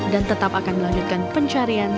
dan tetap akan melanjutkan pencarian